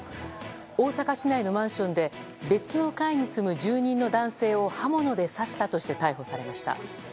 大阪市内のマンションで別の階に住む住人の男性を刃物で刺したとして逮捕されました。